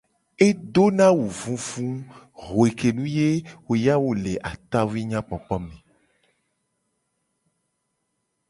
Edona awu vuvu hue ke nu ye wo ya wo le atawui nyakpokpo me.